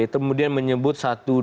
kemudian menyebut satu dua